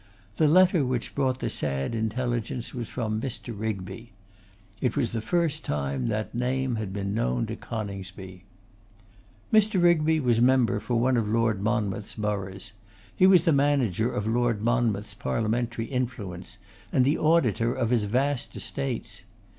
The letter which brought the sad intelligence was from Mr. Rigby. It was the first time that name had been known to Coningsby. Mr. Rigby was member for one of Lord Monmouth's boroughs. He was the manager of Lord Monmouth's parliamentary influence, and the auditor of his vast estates.